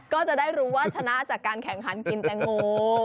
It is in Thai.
ก็จะได้รู้ว่าชนะจากการแข่งขันกินแตงโม